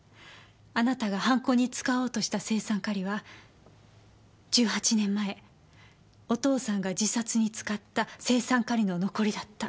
あなたが犯行に使おうとした青酸カリは１８年前お父さんが自殺に使った青酸カリの残りだった。